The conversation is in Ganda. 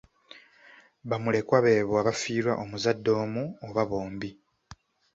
Bamulekwa beebo abaafiirwa omuzadde omu oba bombi.